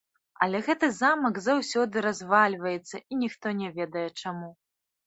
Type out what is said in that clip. Але гэты замак заўсёды развальваецца, і ніхто не ведае, чаму.